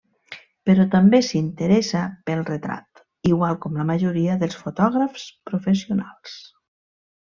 Però també s’interessa pel retrat, igual com la majoria dels fotògrafs professionals.